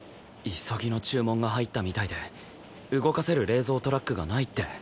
急ぎの注文が入ったみたいで動かせる冷蔵トラックがないって。